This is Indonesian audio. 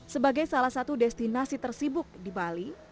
sebagai salah satu destinasi tersibuk di bali